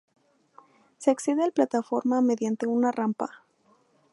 Se accede al plataforma mediante una rampa.